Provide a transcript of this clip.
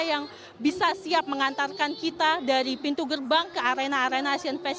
yang bisa siap mengantarkan kita dari pintu gerbang ke arena arena asian fest